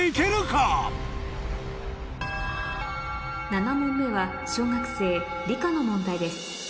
７問目は小学生理科の問題です